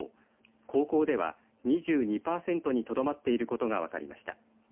高校では２２パーセントにとどまっていることが分かりました。